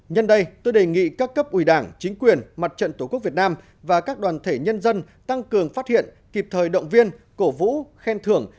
nhân đây tôi đề nghị các cấp ủy đảng chính quyền mặt trận tổ quốc việt nam và các đoàn thể nhân dân tăng cường phát hiện kịp thời động viên cổ vũ khen thưởng